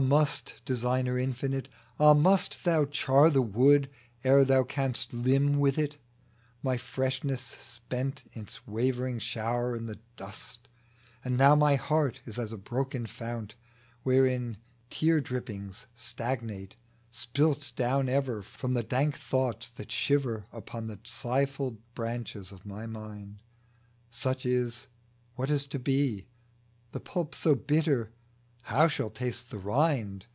must Designer infinite ! Ah I must Thou char the wood ere Thou canst limn with it? 224 FRANCIS THOMPSON My freshness spent its wavering shower i' the dust ; And now my heart is as a broken fount, Wherein tear drippings stagnate, spilt down ever From the dank thoughts that shiver Upon the sighful branches of my mind. Such is ; what is to be ? The pulp so bitter, how shall taste the rind